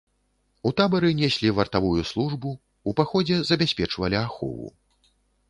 У табары неслі вартавую службу, у паходзе забяспечвалі ахову.